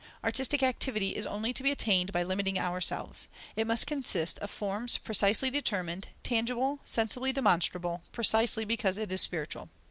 Artistic activity is only to be attained by limiting ourselves; it must consist of "forms precisely determined, tangible, sensibly demonstrable, precisely because it is spiritual."